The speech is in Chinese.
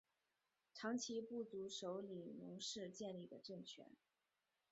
长其部族首领侬氏建立的政权。